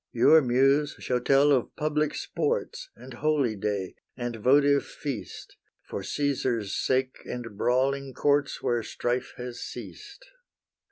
Your Muse shall tell of public sports, And holyday, and votive feast, For Caesar's sake, and brawling courts Where strife has ceased.